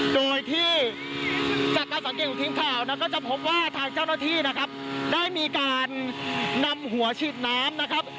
โดยที่จากการสังเกตของทีมข่าวนะก็จะพบว่าทางเจ้าหน้าที่นะครับได้มีการนำหัวฉีดน้ำนะครับ